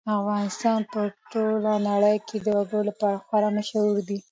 افغانستان په ټوله نړۍ کې د وګړي لپاره خورا مشهور دی.